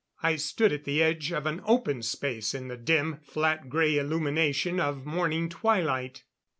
I stood at the edge of an open space in the dim, flat grey illumination of morning twilight.